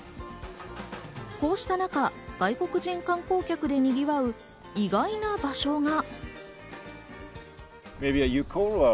こうした中、外国人観光客でにぎわう意外な場所が。